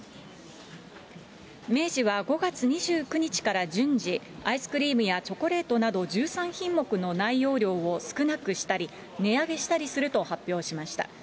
明治は５月２９日から順次、アイスクリームやチョコレートなど１３品目の内容量を少なくしたり、値上げしたりすると発表しました。